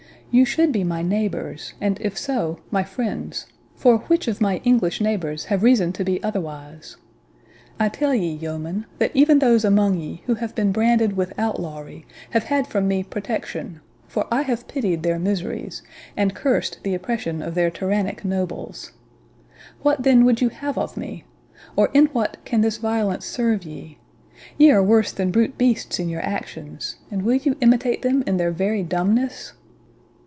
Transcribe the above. You should be my neighbours, and, if so, my friends; for which of my English neighbours have reason to be otherwise? I tell ye, yeomen, that even those among ye who have been branded with outlawry have had from me protection; for I have pitied their miseries, and curst the oppression of their tyrannic nobles. What, then, would you have of me? or in what can this violence serve ye?—Ye are worse than brute beasts in your actions, and will you imitate them in their very dumbness?"